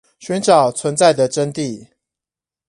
尋找存在的真諦